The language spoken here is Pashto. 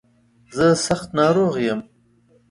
زه سخت ناروغ يم.